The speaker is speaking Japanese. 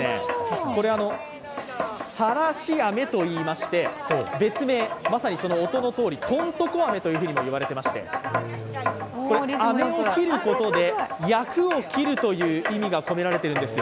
これ、さらし飴といいまして、別名、まさに音のとおり、とんとこ飴とも言われていまして飴を切ることで、厄を切るという意味が込められてるんです。